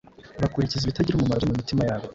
bakurikiza ibitagira umumaro byo mu mitima yabo,